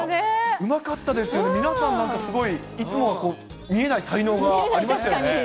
うまかったですね、皆さん、なんかすごいいつもは見えない才能がありましたよね。